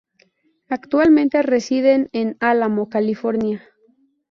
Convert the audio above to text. Actualmente residen en Alamo, California.